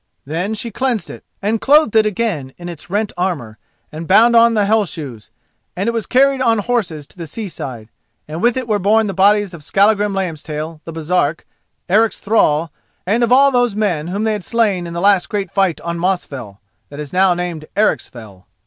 Then she cleansed it and clothed it again in its rent armour, and bound on the Hell shoes, and it was carried on horses to the sea side, and with it were borne the bodies of Skallagrim Lambstail the Baresark, Eric's thrall, and of all those men whom they had slain in the last great fight on Mosfell, that is now named Ericsfell.